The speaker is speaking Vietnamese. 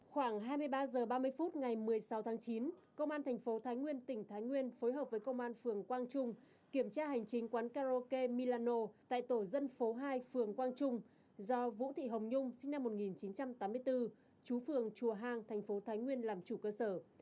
khoảng hai mươi ba h ba mươi phút ngày một mươi sáu tháng chín công an thành phố thái nguyên tỉnh thái nguyên phối hợp với công an phường quang trung kiểm tra hành chính quán karaoke milano tại tổ dân phố hai phường quang trung do vũ thị hồng nhung sinh năm một nghìn chín trăm tám mươi bốn chú phường chùa hang thành phố thái nguyên làm chủ cơ sở